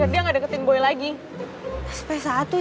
biar dia gak deketin boy lagi